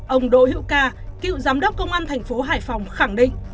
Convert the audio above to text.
ông đỗ hữu ca cựu giám đốc công an thành phố hải phòng khẳng định